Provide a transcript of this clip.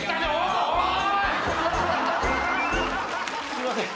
すいません。